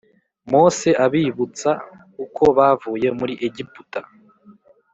Mose abibutsa uko bavuye muri Egiputa